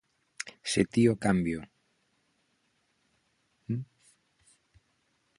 Se ti o cambio.